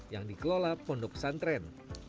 yang dikelola pondok pesantren